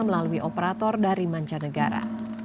melalui operator dari mancanegara